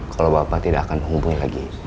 kalau bapak tidak akan menghubungi lagi